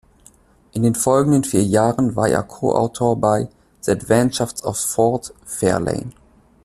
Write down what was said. In den folgenden vier Jahren war er Co-Autor bei "The Adventures of Ford Fairlane".